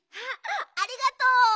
ありがとう！